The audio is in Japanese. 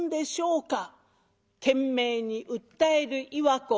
懸命に訴える岩子。